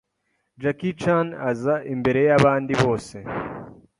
Jackie Chan aza imbere yabandi bose